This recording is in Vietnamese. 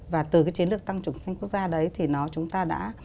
và từ cái chiến lược tăng trưởng xanh quốc gia đấy thì nó chúng ta đã